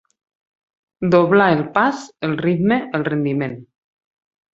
Doblar el pas, el ritme, el rendiment.